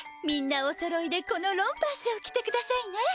みんなおそろいでこのロンパースを着てくださいね。